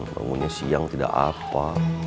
bangunnya siang tidak apa